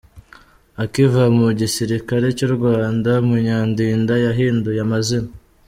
Akiva mu gisirikare cy’u Rwanda, Munyandinda yahinduye amazina.